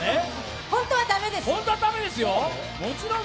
本当は駄目ですよ。